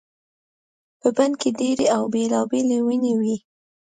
په بڼ کې ډېرې او بېلابېلې ونې وي.